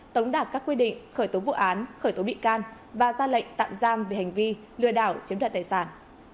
tống đạt các quy định khởi tố vụ án khởi tố bị can và ra lệnh tạm giam về hành vi lừa đảo chiếm đoạt tài sản